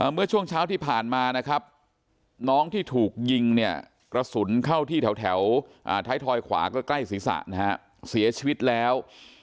เมื่อช่วงเช้าที่ผ่านมานะครับน้องที่ถูกยิงเนี่ยกระสุนเข้าที่แถวท้ายทอยขวาก็ใกล้ศีรษะนะฮะเสียชีวิตแล้ว